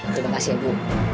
terima kasih ibu